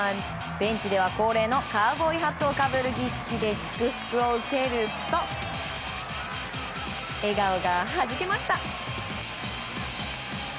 現地では恒例のカウボーイハットを被る儀式で祝福を受けると笑顔がはじけました。